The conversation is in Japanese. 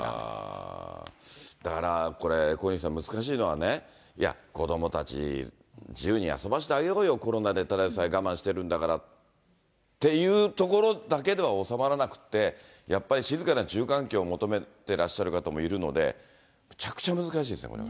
だから、これ、小西さん、難しいのはね、いや、子どもたち、自由に遊ばせてあげようよ、コロナでただでさえ我慢してるんだからっていうところだけでは収まらなくって、やっぱり静かな住環境を求めてらっしゃる方もいるので、むちゃくちゃ難しいですよね、これは。